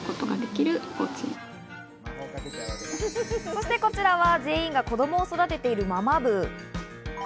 そしてこちらは全員が子供を育てているＭａｍａ部。